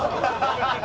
ハハハハ！